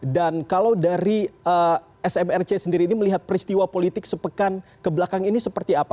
dan kalau dari smrc sendiri ini melihat peristiwa politik sepekan ke belakang ini seperti apa